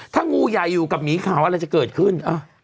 ถ้างูใหญ่อยู่กับหมีขาวอะไรจะเกิดขึ้น